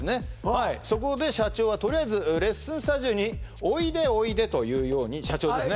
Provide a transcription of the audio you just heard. はいそこで社長はとりあえずレッスンスタジオにおいでおいでというように社長ですね